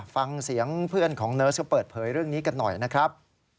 ฟังเสียงเพื่อนของเนิร์สเขาเปิดเผยเรื่องนี้กันหน่อยนะครับ